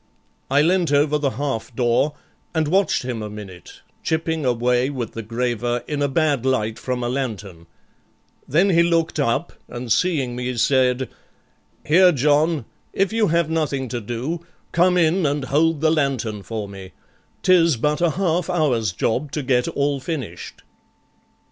I lent over the half door and watched him a minute, chipping away with the graver in a bad light from a lantern; then he looked up, and seeing me, said: 'Here, John, if you have nothing to do, come in and hold the lantern for me, 'tis but a half hour's job to get all finished.'